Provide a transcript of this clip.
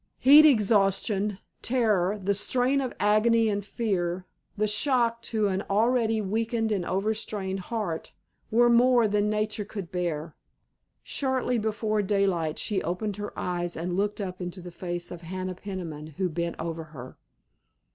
Heat, exhaustion, terror, the strain of agony and fear, the shock to an already weakened and overstrained heart, were more than nature could bear. Shortly before daylight she opened her eyes and looked up into the face of Hannah Peniman, who bent above her.